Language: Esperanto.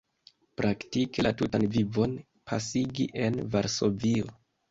Praktike la tutan vivon pasigi en Varsovio.